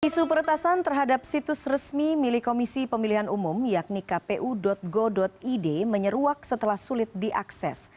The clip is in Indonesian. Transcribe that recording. isu peretasan terhadap situs resmi milik komisi pemilihan umum yakni kpu go id menyeruak setelah sulit diakses